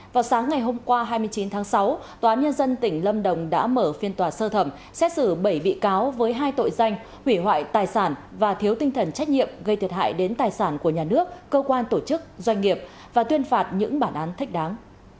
vào sáng ngày hôm qua hai mươi chín tháng sáu tòa nhân dân tỉnh lâm đồng đã mở phiên tòa sơ thẩm xét xử bảy bị cáo với hai tội danh hủy hoại tài sản và thiếu tinh thần trách nhiệm gây thiệt hại đến tài sản của nhà nước cơ quan tổ chức doanh nghiệp và tuyên phạt những bản án thích đáng